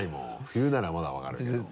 冬ならまだ分かるけど。